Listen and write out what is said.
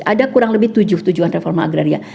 ada kurang lebih tujuh tujuan reforma agraria